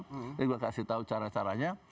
saya juga kasih tahu cara caranya